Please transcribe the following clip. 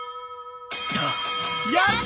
やった！